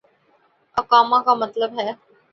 اقامہ کا مطلب ہے۔